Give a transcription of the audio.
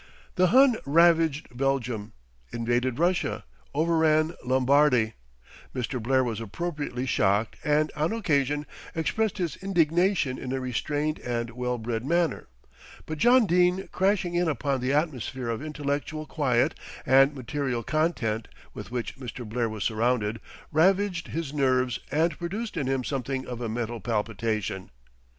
The Hun ravaged Belgium, invaded Russia, over ran Lombardy; Mr. Blair was appropriately shocked and, on occasion, expressed his indignation in a restrained and well bred manner; but John Dene crashing in upon the atmosphere of intellectual quiet and material content with which Mr. Blair was surrounded, ravaged his nerves and produced in him something of a mental palpitation.